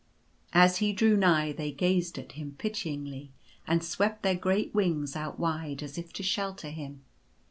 As he drew nigh they gazed at him pityingly and swept their great wings out wide, as if to shelter him.